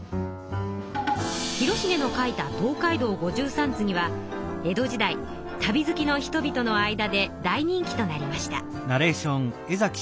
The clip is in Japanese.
広重の描いた「東海道五十三次」は江戸時代旅好きの人々の間で大人気となりました。